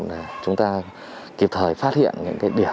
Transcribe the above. để chúng ta kịp thời phát hiện